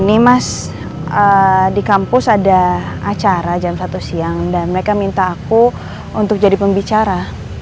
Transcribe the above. ini mas di kampus ada acara jam satu siang dan mereka minta aku untuk jadi pembicara